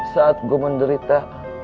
saat gua menderita